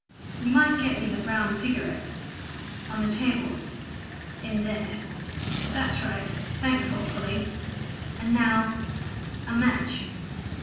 You might get me the brown cigarettes ... on the table in there. That's right ... thanks awfully ... and now a match!"